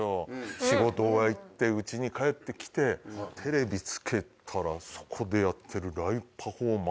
仕事終わってうちに帰ってきてテレビつけたらそこでやってるライブパフォーマンス